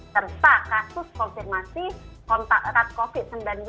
serta kasus konfirmasi kontak erat covid